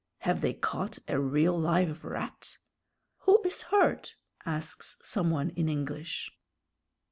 "Have they caught a real live rat?" "Who is hurt?" asks some one in English.